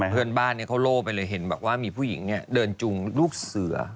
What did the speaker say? เพื่อนบ้านเขาโล่ไปเลยเห็นบอกว่ามีผู้หญิงเนี่ยเดินจุงลูกเสือ